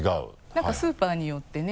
何かスーパーによってね